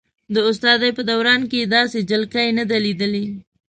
د استادۍ په دوران کې یې داسې جلکۍ نه ده لیدلې.